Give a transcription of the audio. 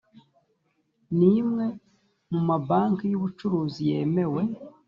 ni imwe mu mabanki y’ubucuruzi yemewe